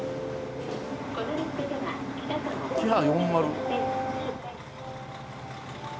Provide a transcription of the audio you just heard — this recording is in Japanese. キハ４０。